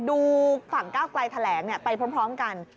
ดูฝั่งก้าวไกลแถลงไปพร้อมกัน